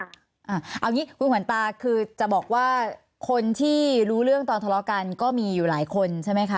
เอาอย่างนี้คุณขวัญตาคือจะบอกว่าคนที่รู้เรื่องตอนทะเลาะกันก็มีอยู่หลายคนใช่ไหมคะ